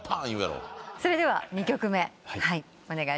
それでは２曲目お願いします。